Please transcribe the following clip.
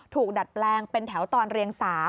ดัดแปลงเป็นแถวตอนเรียง๓